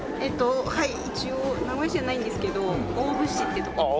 一応名古屋市じゃないんですけど大府市っていうとこなんです。